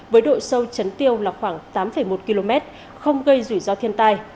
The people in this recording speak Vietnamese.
với độ sâu chấn tiêu là khoảng tám một km không gây rủi ro thiên tai